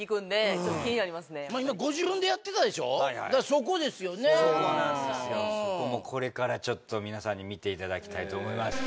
そこもこれからちょっと皆さんに見ていただきたいと思います